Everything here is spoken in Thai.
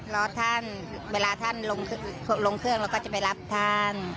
รอท่านเวลาท่านลงเครื่องเราก็จะไปรับท่าน